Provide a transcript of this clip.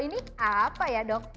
ini apa ya dok